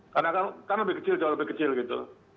karena kan lebih kecil jauh lebih kecil gitu